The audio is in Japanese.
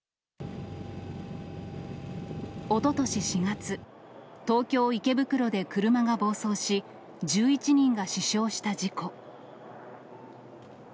おととし４月、東京・池袋で車が暴走し、１１人が死傷した事故。